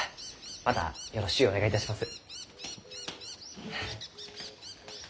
またよろしゅうお願いいたします。